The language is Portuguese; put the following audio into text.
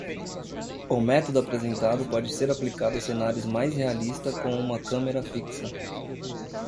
O método apresentado pode ser aplicado a cenários mais realistas com uma câmera fixa.